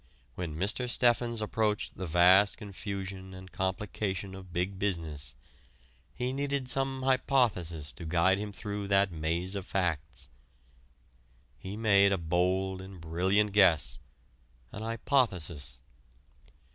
When Mr. Steffens approached the vast confusion and complication of big business, he needed some hypothesis to guide him through that maze of facts. He made a bold and brilliant guess, an hypothesis.